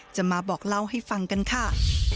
จะมาบอกเล่าให้ฟังกันค่ะ